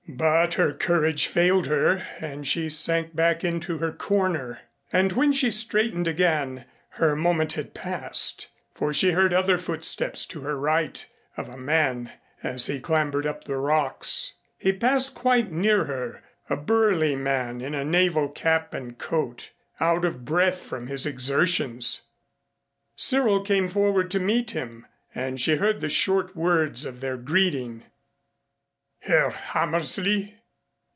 But her courage failed her and she sank back into her corner. And when she straightened again her moment had passed, for she heard other footsteps to her right of a man as he clambered up the rocks. He passed quite near her, a burly man in a naval cap and coat, out of breath from his exertions. Cyril came forward to meet him, and she heard the short words of their greeting. "Herr Hammersley?"